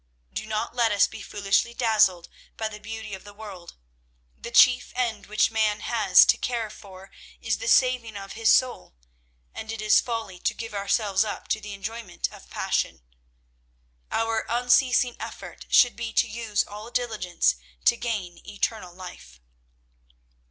Do not let us be foolishly dazzled by the beauty of the world. The chief end which man has to care for is the saving of his soul, and it is folly to give ourselves up to the enjoyment of passion. Our unceasing effort should be to use all diligence to gain eternal life."